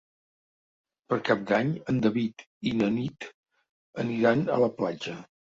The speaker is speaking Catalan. Per Cap d'Any en David i na Nit aniran a la platja.